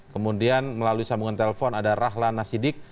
kemudian melalui sambungan telpon ada rahlan nasidik